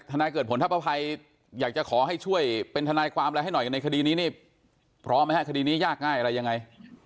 ทนายเกิดผลถ้าพ่อภัยอยากจะขอให้ช่วยเป็นทนายความแล้วให้หน่อยในคดีกลุ่มปร้อมมั้ยคดีนี้ยากง่ายอะไรยังไง